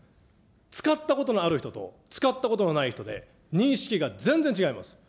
使ったことのある人と、使ったことのない人で、認識が全然違います。